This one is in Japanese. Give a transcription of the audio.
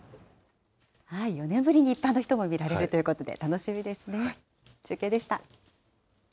４年ぶりに一般の人も見られるということで、楽しみですね。